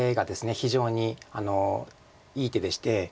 非常にいい手でして。